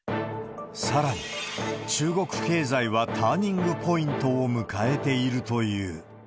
さらに、中国経済はターニングポイントを迎えているという。